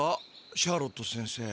シャーロット先生。